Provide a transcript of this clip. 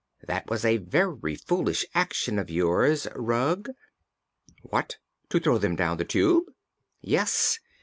That was a very foolish action of yours, Rug." "What, to throw them down the Tube?" "Yes.